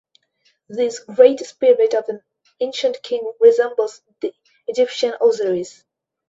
This great spirit of an ancient king resembles the Egyptian Osiris.